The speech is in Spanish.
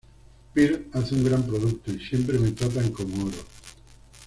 Pearl hace un gran producto, y siempre me tratan como oro.